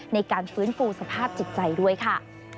ในการฟื้นฟูสภาพจิตใจด้วยค่ะ